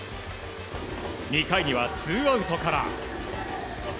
２回にはツーアウトから。